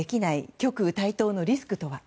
極右台頭のリスクとは。